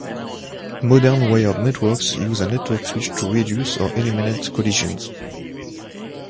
Modern wired networks use a network switch to reduce or eliminate collisions.